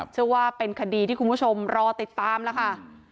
เชื่อว่าเป็นคดีที่คุณผู้ชมรอติดตามแล้วค่ะ